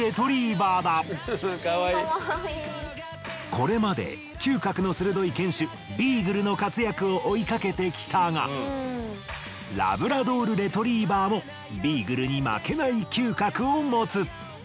これまで嗅覚の鋭い犬種ビーグルの活躍を追いかけてきたがラブラドール・レトリーバーもビーグルに負けない嗅覚を持つ。